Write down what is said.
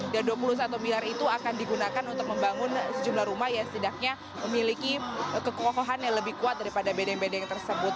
dan dua puluh satu miliar itu akan digunakan untuk membangun sejumlah rumah yang setidaknya memiliki kekokohan yang lebih kuat daripada bedeng bedeng tersebut